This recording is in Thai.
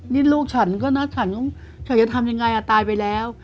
นี่ลูกฉันก็นะฉันฉันจะทำยังไงตายไปแล้ว